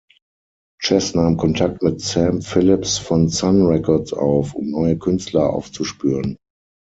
Chess nahm Kontakt mit Sam Phillips von Sun Records auf, um neue Künstler aufzuspüren.